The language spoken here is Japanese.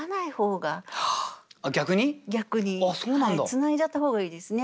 繋いじゃった方がいいですね。